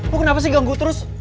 bu kenapa sih ganggu terus